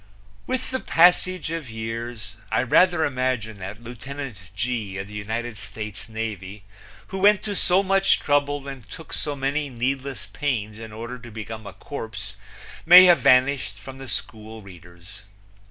With the passage of years I rather imagine that Lieutenant G , of the United States Navy, who went to so much trouble and took so many needless pains in order to become a corpse may have vanished from the school readers.